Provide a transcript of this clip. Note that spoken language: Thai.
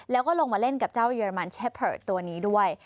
แล้วก็ลงมาเล่นกับเจ้าเยอรมันแช่เผลอตัวนี้ด้วย